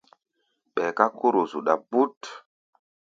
Ɓɛɛ ká kóro zuɗa bút.